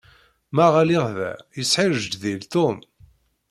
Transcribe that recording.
Maɣ allig da yesḥirjdil Ṭum?